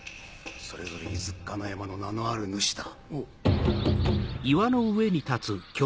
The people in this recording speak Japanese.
それぞれいずくかの山の名のある主だ。